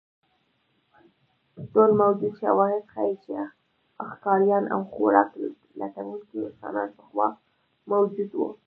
ټول موجود شواهد ښیي، چې ښکاریان او خوراک لټونکي انسانان پخوا موجود وو.